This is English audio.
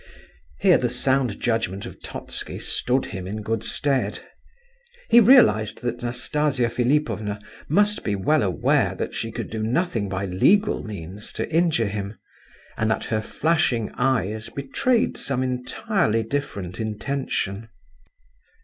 Here the sound judgment of Totski stood him in good stead. He realized that Nastasia Philipovna must be well aware that she could do nothing by legal means to injure him, and that her flashing eyes betrayed some entirely different intention.